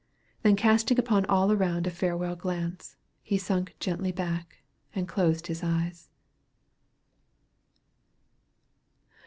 Then casting upon all around a farewell glance, he sunk gently back, and closed his eyes.